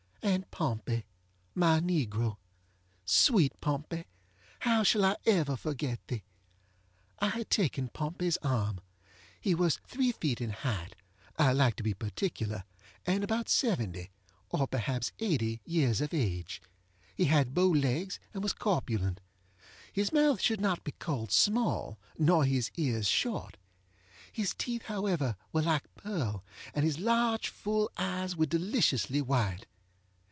And Pompey, my negro! ŌĆösweet Pompey! how shall I ever forget thee? I had taken PompeyŌĆÖs arm. He was three feet in height (I like to be particular) and about seventy, or perhaps eighty, years of age. He had bow legs and was corpulent. His mouth should not be called small, nor his ears short. His teeth, however, were like pearl, and his large full eyes were deliciously white.